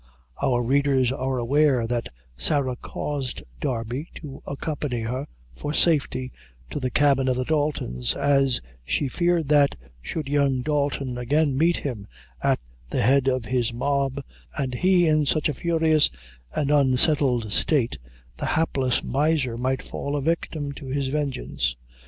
Our readers are aware that Sarah caused Darby to accompany her, for safety, to the cabin of the Daltons, as she feared that, should young Dalton again meet him at the head of his mob, and he in such a furious and unsettled state, the hapless miser might fall a victim to his vengeance.